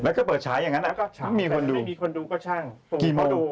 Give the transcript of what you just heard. แล้วก็เปิดฉายอย่างนั้นนะมันไม่มีคนดูบรรยากุรกิจกระหว่างก็ช่าง